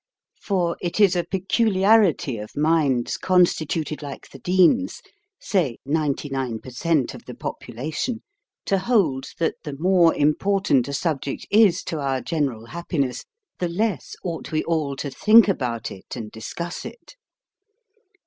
For it is a peculiarity of minds constituted like the Dean's (say, ninety nine per cent. of the population) to hold that the more important a subject is to our general happiness, the less ought we all to think about it and discuss it.